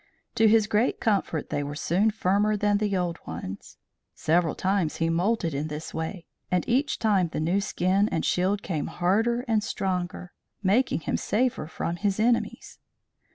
To his great comfort they were soon firmer than the old ones. Several times he moulted in this way, and each time the new skin and shield came harder and stronger, making him safer from his enemies.